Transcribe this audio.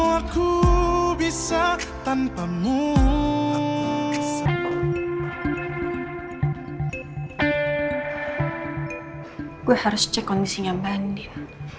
aku harus cek kondisinya bandin